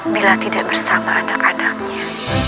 bila tidak bersama anak anaknya